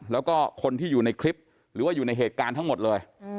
แล้วก็คนที่อยู่ในคลิปหรือว่าอยู่ในเหตุการณ์ทั้งหมดเลย